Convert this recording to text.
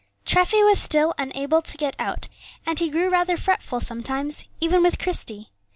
Treffy was still unable to get out, and he grew rather fretful sometimes, even with Christie.